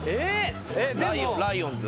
ライオンズ。